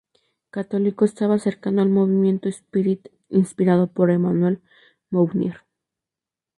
Católico, estaba cercano al Movimiento "Esprit" inspirado por Emmanuel Mounier.